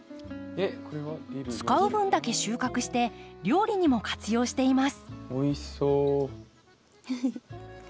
使う分だけ収穫して料理にも活用しています。